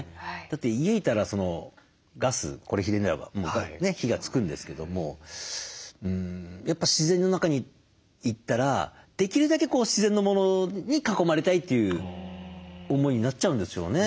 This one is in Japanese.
だって家いたらガスこれひねれば火がつくんですけどもやっぱ自然の中に行ったらできるだけ自然のものに囲まれたいという思いになっちゃうんですよね。